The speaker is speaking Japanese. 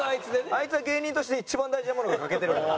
あいつは芸人として一番大事なものが欠けてるから。